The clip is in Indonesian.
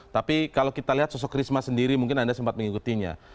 tapi kalau kita lihat sosok risma sendiri mungkin anda sempat mengikutinya